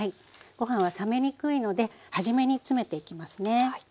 ご飯は冷めにくいので初めに詰めていきますね。